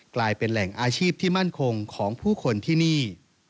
กลายเป็นแหล่งอาชีพที่มั่นคงของผู้คนที่นี่